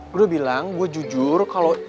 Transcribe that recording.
gue bilang gue jujur kalau